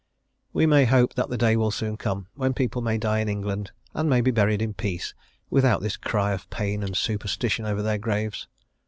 We may hope that the day will soon come when people may die in England and may be buried in peace without this cry of pain and superstition over their graves.